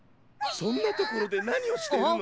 そんなところでなにをしてるの！